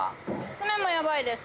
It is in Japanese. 爪もヤバいです